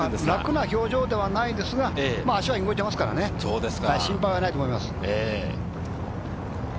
楽な表情ではないですが足は動いているので心配はないと思います。